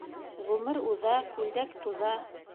Ғүмер уҙа, күлдәк туҙа.